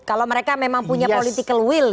kalau mereka memang punya political will